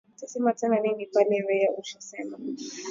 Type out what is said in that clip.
Tasema tena nini pale weye usha sema